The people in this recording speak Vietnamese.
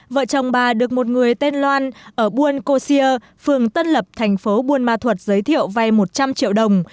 vợ chồng bà được một người tên loan ở buôn cô xia phường tân lập thành phố buôn ma thuật giới thiệu vay một trăm linh triệu đồng